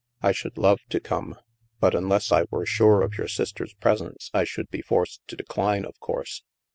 " I should love to come, but unless I were sure of your sister's presence, I should be forced to decline, of course.